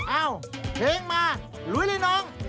เอ้าเพลงมาหลุยเลยน้อง